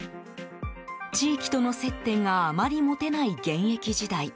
地域との接点があまり持てない現役時代。